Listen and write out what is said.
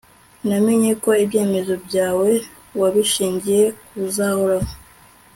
namenye ko ibyemezo byawe wabishingiye kuzahoraho.